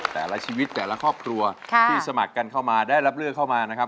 แต่ละชีวิตแต่ละครอบครัวที่สมัครกันเข้ามาได้รับเลือกเข้ามานะครับ